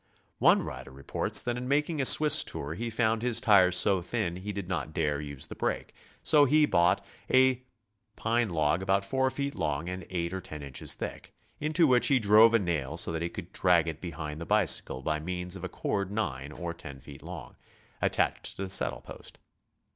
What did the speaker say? One rider reports that in making a Swiss tour he found his tires so thin he did not dare use the brake, so he bought a pine log about four feet long and eight or ten inches thick, into which he drove a nail so that he could drag it behind the bicycle by means of a cord nine or ten feet long, attached to the saddle post.